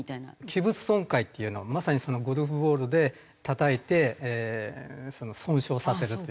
器物損壊っていうのはまさにゴルフボールでたたいて損傷させるっていう。